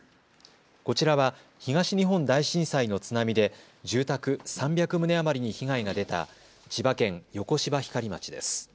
こちらは東日本大震災の津波で住宅３００棟余りに被害が出た千葉県横芝光町です。